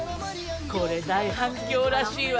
これ大反響らしいわよ。